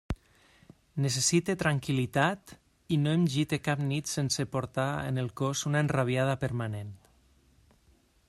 Necessite tranquil·litat, i no em gite cap nit sense portar en el cos una enrabiada permanent.